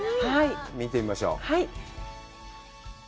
見てみましょう！